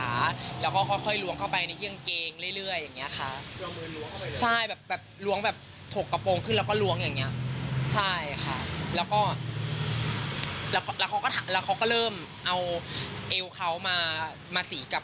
อ่ะให้เธอเล่าให้ฟังสิ